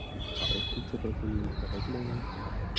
A odkud se pracovní místa vezmou?